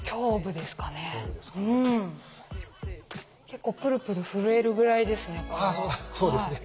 結構プルプル震えるぐらいですね。